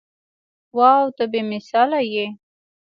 واو ته بې مثاله يې.